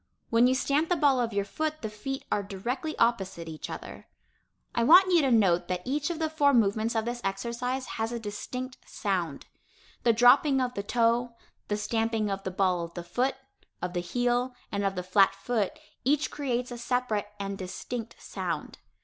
When you stamp the ball of your foot, the feet are directly opposite each other. [Illustration: The Development of a "Tap" Dancing Step] I want you to note that each of the four movements of this exercise has a distinct sound. The dropping of the toe, the stamping of the ball of the foot, of the heel, and of the flat foot, each creates a separate and distinct sound.